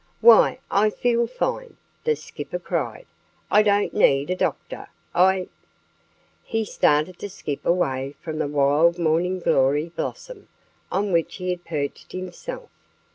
"Why, I feel fine!" the Skipper cried. "I don't need a doctor. I " He started to skip away from the wild morning glory blossom on which he had perched himself.